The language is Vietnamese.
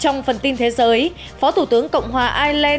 trong phần tin thế giới phó thủ tướng cộng hòa ai lê